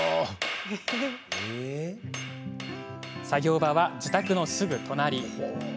作業場は自宅のすぐ隣。